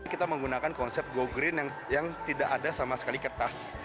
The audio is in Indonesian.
kita menggunakan konsep go green yang tidak ada sama sekali kertas